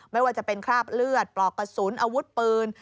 ไม่ว่าจะเป็นคราบเลือดปลอกกระสุนอาวุธปืน